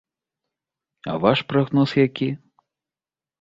А ваш прагноз які?